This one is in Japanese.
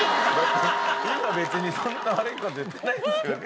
今別にそんな悪い事言ってないですよね。